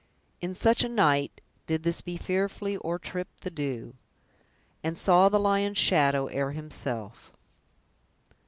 In such a night Did This be fearfully o'ertrip the dew; And saw the lion's shadow ere himself."